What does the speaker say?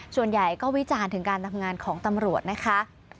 ส่วนใหญ่ก็วิจารณ์ถึงการทำงานของตำรวจนะคะ